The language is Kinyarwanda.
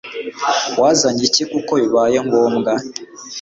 Wazanye iki kuko bibaye ngombwa